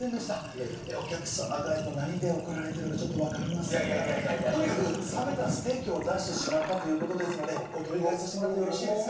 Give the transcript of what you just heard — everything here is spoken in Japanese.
いやいやお客様が何で怒られてるかちょっと分かりませんがとにかく冷めたステーキを出してしまったということなのでお取り替えさせてもらってよろしいですか？